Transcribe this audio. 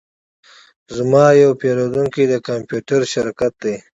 زما یو پیرودونکی د کمپیوټر شرکت دی